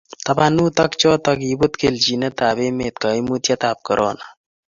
tabanut ak choto, kibut kelchinetab emet kaimutietab korona